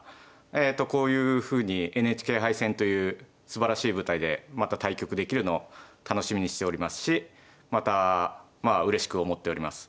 えとこういうふうにＮＨＫ杯戦というすばらしい舞台でまた対局できるのを楽しみにしておりますしまたうれしく思っております。